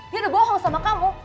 dia udah bohong sama kamu